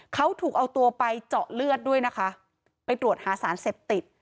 เขาถูกเอาตัวไปเจาะเลือดด้วยนะคะไปตรวจหาสารเสพติด